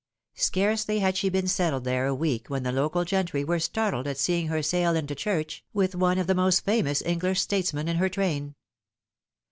Searcely had she been settled there a week when the local gentry were startled at seeing her sail into church with one of the most famous English statesmen in her train.